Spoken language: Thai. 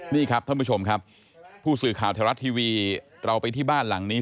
นี่ครับท่านผู้ชมครับผู้สื่อข่าวไทยรัฐทีวีเราไปที่บ้านหลังนี้